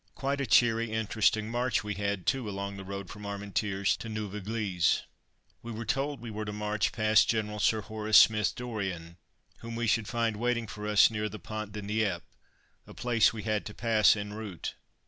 Quite a cheery, interesting march we had, too, along the road from Armentières to Neuve Eglise. We were told that we were to march past General Sir Horace Smith Dorrien, whom we should find waiting for us near the Pont de Nieppe a place we had to pass en route.